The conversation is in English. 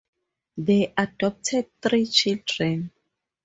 They adopted three children.